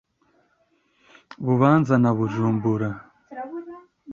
Bubanza na Bujumbura